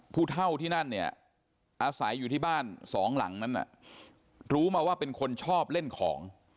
ผู้เท่าที่นั่นเนี่ยอาศัยอยู่ที่บ้านสองหลังนั้นรู้มาว่าเป็นคนชอบเล่นของ